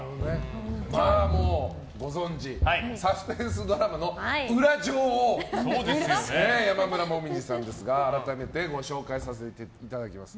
もうご存じサスペンスドラマの裏女王山村紅葉さんですが改めてご紹介させていただきます。